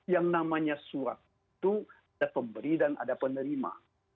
yang namanya surat itu ada pemberi dan ada penerima